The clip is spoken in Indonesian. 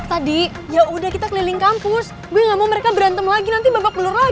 putrinya itu gak usah pinter